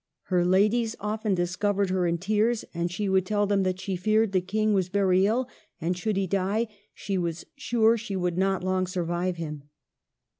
Her ladies often discovered her in tears, and she would tell them that she feared the King was very ill, and should he die, she was sure she would not long survive him.